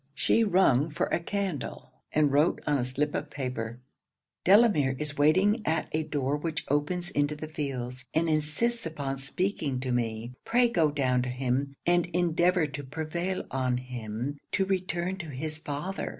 She rung for a candle, and wrote on a slip of paper. 'Delamere is waiting at a door which opens into the fields, and insists upon speaking to me. Pray go down to him, and endeavour to prevail on him to return to his father.